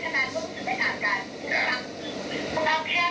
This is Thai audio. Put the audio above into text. แต่ด่าคนชื่อคุณสมควรนาฬิกุธไม่ได้